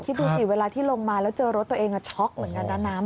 คิดดูสิเวลาที่ลงมาแล้วเจอรถตัวเองช็อกเหมือนกันนะน้ำ